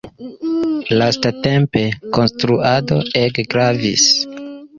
Lastatempe konstruado ege gravis.